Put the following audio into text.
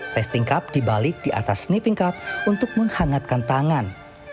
testing cup dibalik di atas sniffing cup untuk menghangatkan tangan